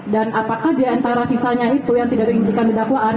dan apakah diantara sisanya itu yang tidak diizinkan didakwaan